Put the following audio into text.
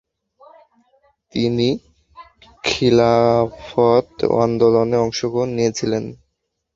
তিনি খিলাফত আন্দোলনে অংশ নিয়েছেন।